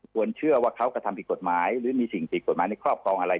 ควรเชื่อว่าเขากระทำผิดกฎหมายหรือมีสิ่งผิดกฎหมายในครอบครองอะไร